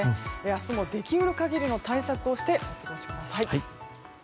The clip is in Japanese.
明日もでき得る限りの対策をしてお過ごしください。